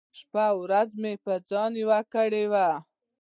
شپه ورځ به مې په ځان يوه کړې وه .